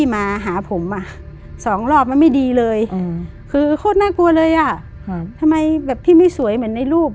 มันไม่ดีเลยคือโคตรน่ากลัวเลยทำไมแบบพี่ไม่สวยเหมือนในรูป